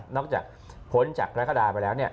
นอกจากผลจากกรกฎาไปแล้ว